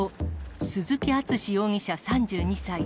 鈴木淳容疑者３２歳。